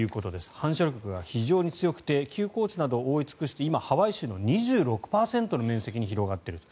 繁殖力が非常に強くて休耕地などを覆い尽くして今、ハワイ州の２６％の面積に広がっていると。